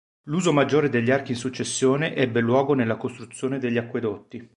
L'uso maggiore degli archi in successione ebbe luogo nella costruzione degli acquedotti.